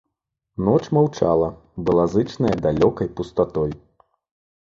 Ноч маўчала, была зычная далёкай пустатой.